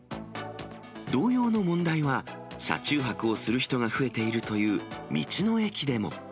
同様の問題は、車中泊をする人が増えているという道の駅でも。